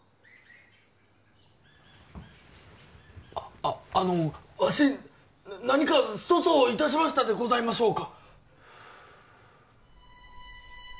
あッあのわし何か粗相をいたしましたでございましょうか？